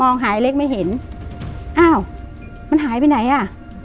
หายเล็กไม่เห็นอ้าวมันหายไปไหนอ่ะ